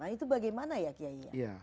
itu bagaimana ya kiyai